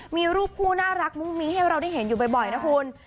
มีรูปคู่น่ารักมุ้งมิ้งให้เราได้เห็นอยู่บ่อยนะคุณ